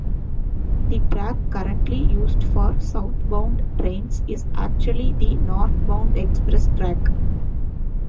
The track currently used for southbound trains is actually the northbound express track.